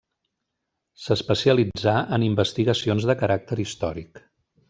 S'especialitzà en investigacions de caràcter històric.